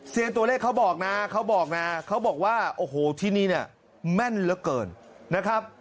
ตัวเลขเขาบอกนะเขาบอกนะเขาบอกว่าโอ้โหที่นี่เนี่ยแม่นเหลือเกินนะครับ